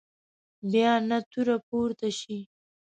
بیا نه توره پورته شي.